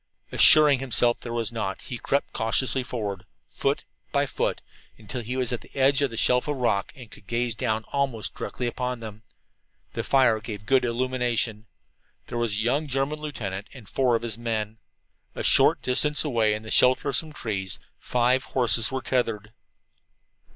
Assuring himself that there was not, he crept cautiously forward, foot by foot, until he was at the edge of the shelf of rock and could gaze almost directly down upon them. The fire gave good illumination. There was a young German lieutenant and four of his men. A short distance away, in the shelter of some trees, five horses were tethered.